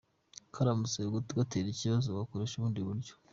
Karamutse kagutera ibibazo wakoresha ubundi buryo.